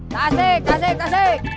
kasik kasik kasik